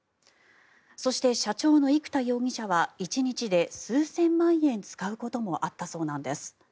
そして、社長の生田容疑者は１日で数千万円使うこともあったそうなんです。